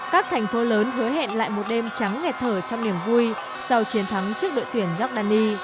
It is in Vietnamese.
các thành phố lớn hứa hẹn lại một đêm trắng nghẹt thở trong niềm vui sau chiến thắng trước đội tuyển jordani